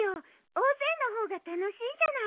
大勢の方が楽しいじゃない。